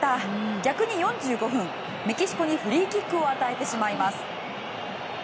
逆に４５分メキシコにフリーキックを与えてしまいます。